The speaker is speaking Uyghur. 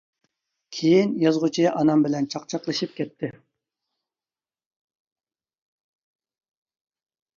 كېيىن يازغۇچى ئانام بىلەن چاقچاقلىشىپ كەتتى.